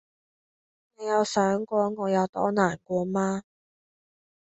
你有想過我有多難過嗎